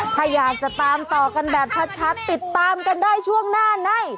ถ้าอยากจะตามต่อกันแบบชัดติดตามกันได้ช่วงหน้าใน